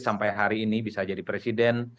sampai hari ini bisa jadi presiden